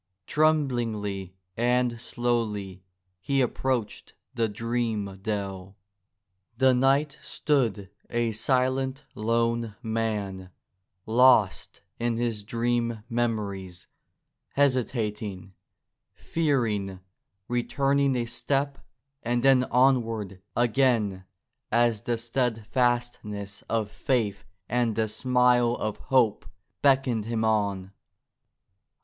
Trem blingly and slowly he approached the dream dell. The knight stood a silent, lone man, lost in his dream memories, hesitating, fearing, returning a step and then onward again as the steadfastness of faith and the smile of hope beckoned him on.